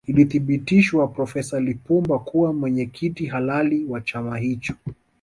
Ilithibitishwa profesa Lipumba kuwa mwenyekiti halali wa chama hicho